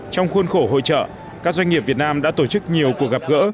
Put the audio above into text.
trong khuôn khổ hội trợ các doanh nghiệp việt nam đã tổ chức nhiều cuộc gặp gỡ